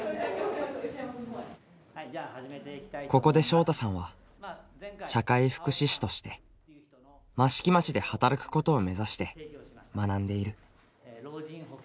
ここで昇汰さんは社会福祉士として益城町で働くことを目指して学んでいる。